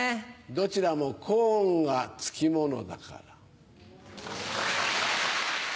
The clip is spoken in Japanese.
どちらもコーンが付き物だから。